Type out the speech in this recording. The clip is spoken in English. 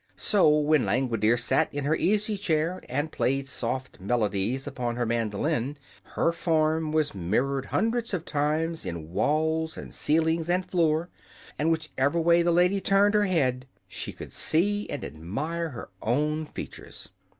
So when Langwidere sat in her easy chair and played soft melodies upon her mandolin, her form was mirrored hundreds of times, in walls and ceiling and floor, and whichever way the lady turned her head she could see and admire her own features.